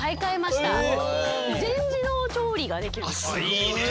いいね。